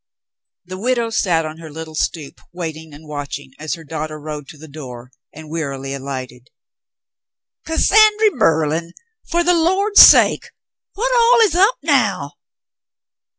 The widow sat on her little stoop, waiting and watch ing, as her daughter rode to the door and wearily alighted. "Cassandry Merlin! For the Lord's sake! What all is up now